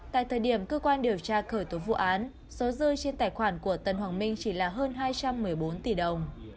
tại thời điểm cơ quan điều tra khởi tố vụ án số rơi trên tài khoản của tân hoàng minh chỉ là hơn hai trăm một mươi bốn tỷ đồng